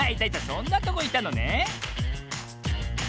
そんなとこいたのね。